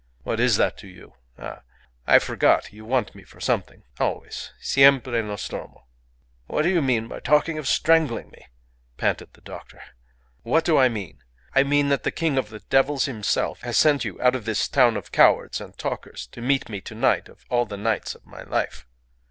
"What is that to you? Ah! I forgot you want me for something. Always. Siempre Nostromo." "What do you mean by talking of strangling me?" panted the doctor. "What do I mean? I mean that the king of the devils himself has sent you out of this town of cowards and talkers to meet me to night of all the nights of my life."